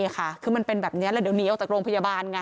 คือมันเป็นแบบนี้แล้วเดี๋ยวหนีเอาแต่โรงพยาบาล